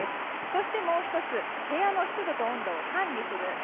そしてもう１つは部屋の湿度と温度を管理する。